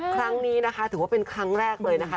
ครั้งนี้นะคะถือว่าเป็นครั้งแรกเลยนะคะ